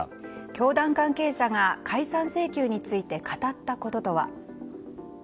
教団関係者が解散請求について語ったこととは。